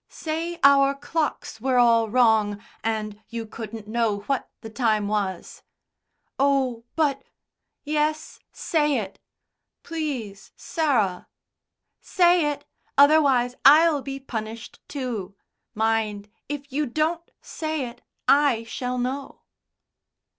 "Say our clocks were all wrong, and you couldn't know what the time was." "Oh, but " "Yes, say it." "Please, Sarah." "Say it. Otherwise I'll be punished too. Mind, if you don't say it, I shall know."